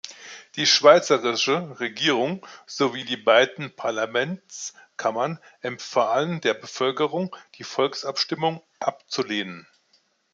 Die schweizerische Regierung sowie die beiden Parlamentskammern empfahlen der Bevölkerung, die Volksabstimmung abzulehnen.